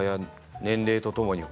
年齢とともに。